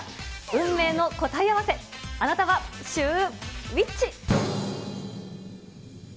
運命の答え合わせ、あなたはシューＷｈｉｃｈ。